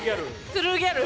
トゥルーギャル。